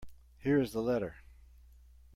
Here is the letter.